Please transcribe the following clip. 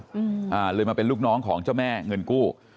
อืมอ่าเลยมาเป็นลูกน้องของเจ้าแม่เงินกู้